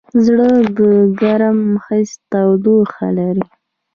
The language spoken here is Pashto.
زړه د ګرم حس تودوخه لري.